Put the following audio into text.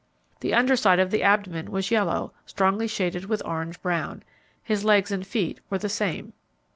The under side of the abdomen was yellow, strongly shaded with orange brown. His legs and feet were the same.